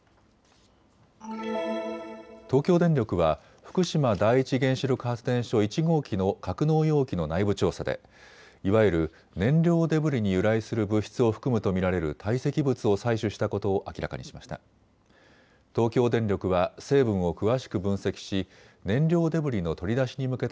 東京電力は福島第一原子力発電所１号機の格納容器の内部調査でいわゆる燃料デブリに由来する物質を含むと見られる堆積物を採取したことを明らかにしました。